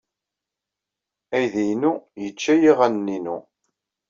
Aydi-inu yečča-iyi aɣanen-inu.